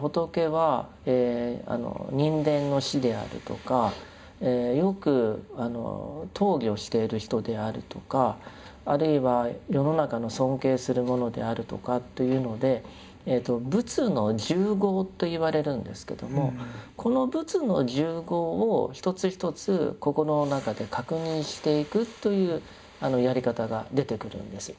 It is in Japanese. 仏は人間の師であるとかよく討議をしている人であるとかあるいは世の中の尊敬するものであるとかっていうので「仏の十号」と言われるんですけどもこの仏の十号を一つ一つ心の中で確認していくというやり方が出てくるんです。